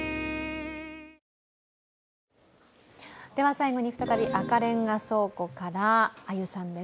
最後に再び、赤レンガ倉庫からあゆさんです。